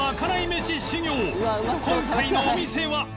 今回のお店は